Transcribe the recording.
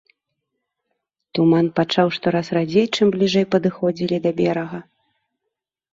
Туман пачаў штораз радзець, чым бліжэй падыходзілі да берага.